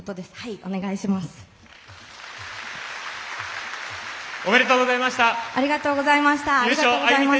お願いします。